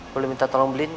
boleh minta tolong beliin gak